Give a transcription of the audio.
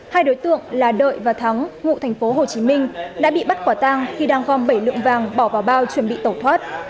hai đối tượng là đợi và thắng ngụ thành phố hồ chí minh đã bị bắt quả tang khi đang gom bảy lượng vàng bỏ vào bao chuẩn bị tẩu thoát